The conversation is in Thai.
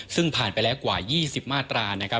ซึ่งผ่านไปแล้วกว่า๒๐มาตรา